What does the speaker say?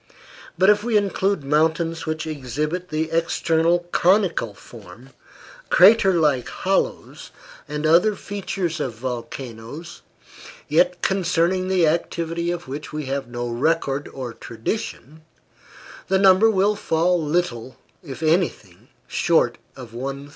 But if we include mountains which exhibit the external conical form, crater like hollows, and other features of volcanoes, yet concerning the activity of which we have no record or tradition, the number will fall little, if anything, short of 1,000.